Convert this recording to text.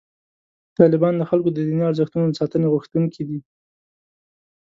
طالبان د خلکو د دیني ارزښتونو د ساتنې غوښتونکي دي.